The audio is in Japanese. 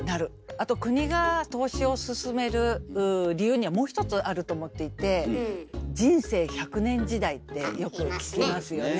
あと国が投資を勧める理由にはもう一つあると思っていて「人生１００年時代」ってよく聞きますよね。